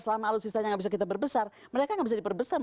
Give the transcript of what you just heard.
selama alutsistanya nggak bisa kita berbesar mereka nggak bisa diperbesar